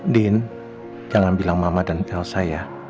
din jangan bilang mama dan elsa ya